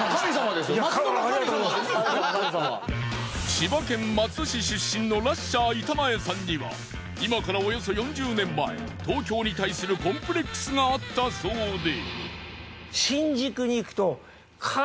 千葉県松戸市出身のラッシャー板前さんには今からおよそ４０年前東京に対するコンプレックスがあったそうで。